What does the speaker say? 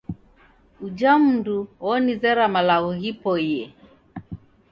Uja mundu wonizera malagho ghipoie.